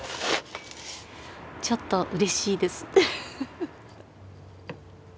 ちょっとうれしいです。